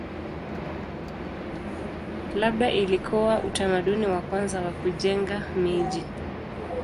Labda ilikuwa utamaduni wa kwanza wa kujenga miji.